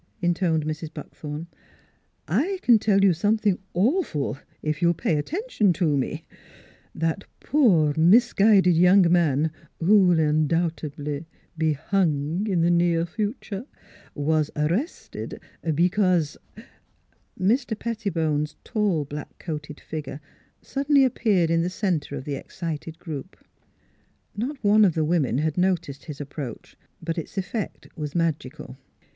intoned Mrs. Buckthorn, "/ can tell you something awful, if you'll pay attention 3 o8 NEIGHBORS to me: that poor, mis guided young man who will undoubtedly be hung in the near future was a rested because " Mr. Pettibone's tall black coated figure sud denly appeared in the center of the excited group. Not one of the women had noticed his approach, but its effect was magical.